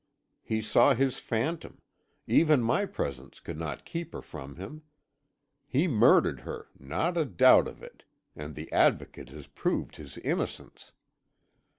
He saw his phantom even my presence could not keep her from him. He murdered her not a doubt of it and the Advocate has proved his innocence.